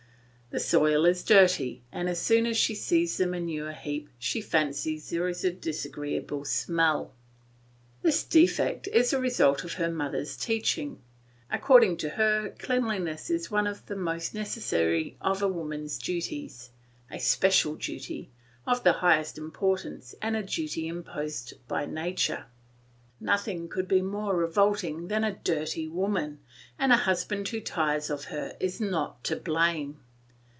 The soil is dirty, and as soon as she sees the manure heap she fancies there is a disagreeable smell. This defect is the result of her mother's teaching. According to her, cleanliness is one of the most necessary of a woman's duties, a special duty, of the highest importance and a duty imposed by nature. Nothing could be more revolting than a dirty woman, and a husband who tires of her is not to blame.